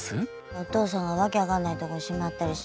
お父さんが訳分かんないとこにしまったりしないようにね。